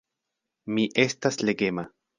Mi estas legema.